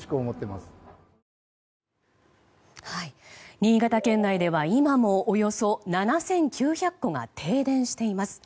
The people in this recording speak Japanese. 新潟県内では今もおよそ７９００戸が停電しています。